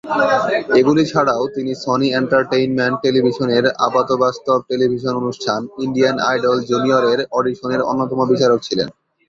এগুলি ছাড়াও তিনি সনি এন্টারটেইনমেন্ট টেলিভিশনের আপাতবাস্তব টেলিভিশন অনুষ্ঠান "ইন্ডিয়ান আইডল জুনিয়রের" অডিশনের অন্যতম বিচারক ছিলেন।